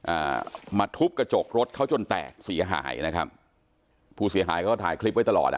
อ่ามาทุบกระจกรถเขาจนแตกเสียหายนะครับผู้เสียหายเขาถ่ายคลิปไว้ตลอดอ่ะ